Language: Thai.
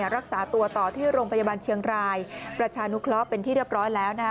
รักษาตัวต่อที่โรงพยาบาลเชียงรายประชานุเคราะห์เป็นที่เรียบร้อยแล้ว